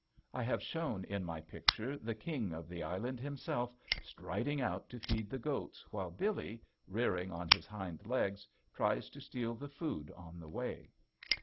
I have shown in my picture the king of the island himself striding out to feed the goats while Billy, rearing on his hind legs, tries to steal the food on the way.